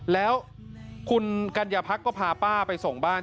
แล้วคุณกัญญาพักก็พาป้าไปส่งบ้าน